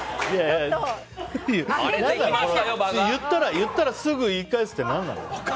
言ったらすぐに言い返すって何なの？